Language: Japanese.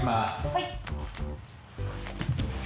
はい。